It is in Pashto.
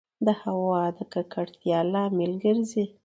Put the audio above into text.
د هــوا د ککــړتـيـا لامـل ګـرځـي